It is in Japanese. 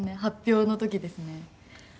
発表の時ですね。